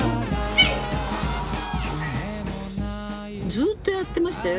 ずっとやってましたよ。